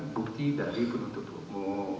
bukti dari penutup hukum